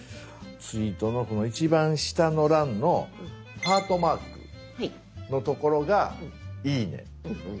ツイートのこの一番下の欄のハートマークのところが「いいね」。